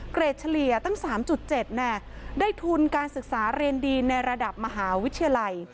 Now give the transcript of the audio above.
เกรดเฉลี่ยตั้ง๓๗ได้ทุนการศึกษาเรียนดีในระดับมหาวิทยาลัย